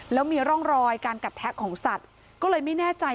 แล้วมีร่องรอยการกัดแทะของสัตว์ก็เลยไม่แน่ใจ